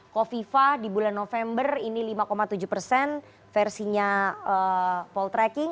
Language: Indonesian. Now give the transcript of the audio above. kofifa di bulan november ini lima tujuh persen versinya poltreking